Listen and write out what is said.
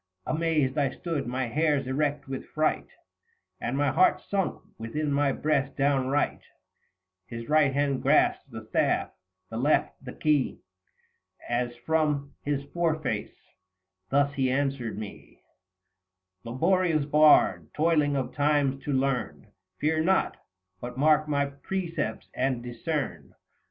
Amazed I stood, my hairs erect with fright, 105 And my heart sunk within my breast downright : His right hand grasped the staff, the left the key, As from his foreface thus he answered me :" Laborious Bard, toiling of Times to learn ; Fear not, but mark my precepts and discern.